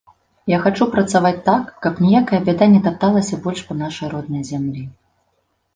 Я хачу працаваць так, каб ніякая бяда не тапталася больш па нашай роднай зямлі.